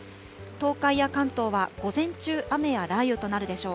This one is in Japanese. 東海や関東は午前中、雨や雷雨となるでしょう。